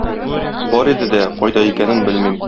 Бар иде дә, кайда икәнен белмим.